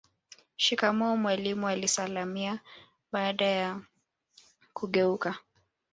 Shikamoo mwalimu alisalimia baada ya kugeuka